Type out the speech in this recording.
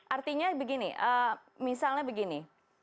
artinya begini misalnya begini